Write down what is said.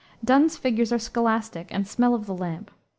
Donne's figures are scholastic and smell of the lamp.